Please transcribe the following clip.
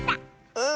うん！